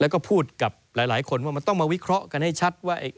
แล้วก็พูดกับหลายคนว่ามันต้องมาวิเคราะห์กันให้ชัดว่า